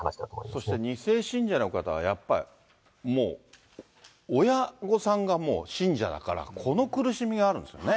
そして、２世信者の方はやっぱりもう、親御さんがもう信者だから、この苦しみがあるんですよね。